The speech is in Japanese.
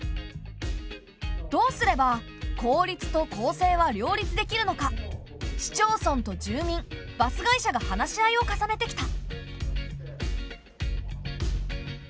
どうすれば効率と公正は両立できるのか市町村と住民バス会社が話し合いを重ねてきた。